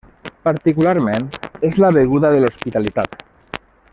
Particularment, és la beguda de l'hospitalitat.